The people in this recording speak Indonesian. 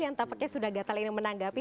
yang tampaknya sudah gatel yang menanggapi